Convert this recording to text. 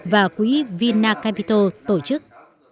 và quỹ vinacapital tổ chức